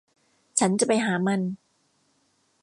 ฉันจะไปหามัน